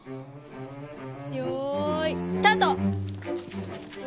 よいスタート！